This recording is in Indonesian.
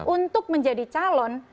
untuk menjadi calon